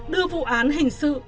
đưa vụ án hình sự